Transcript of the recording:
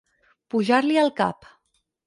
Pujar-li al cap.